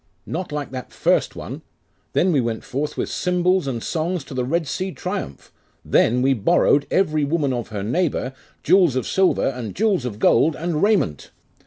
'Not like that first one! Then we went forth with cymbals and songs to the Red Sea triumph! Then we borrowed, every woman of her neighbour, jewels of silver, and jewels of gold, and raiment.